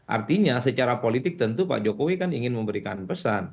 artinya secara politik tentu pak jokowi kan ingin memberikan pesan